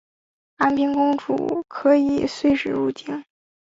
安平公主可以岁时入京。